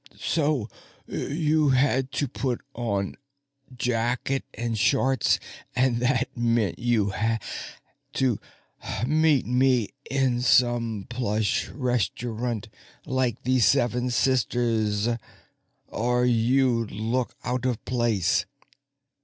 So you had to put on jacket and shorts, and that meant you had to meet me in some plush restaurant like the Seven Sisters or you'd look out of place.